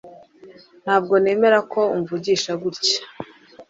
Ntabwo nemera ko umvugisha gutya